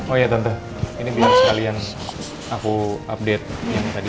oh iya tentu ini biar sekalian aku update yang tadi